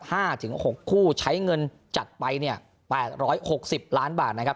ห้าถึงหกคู่ใช้เงินจัดไปเนี่ยแปดร้อยหกสิบล้านบาทนะครับ